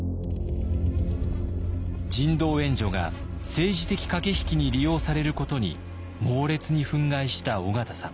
人道援助が政治的駆け引きに利用されることに猛烈に憤慨した緒方さん。